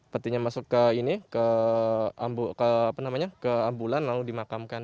petinya masuk ke ambulan lalu dimakamkan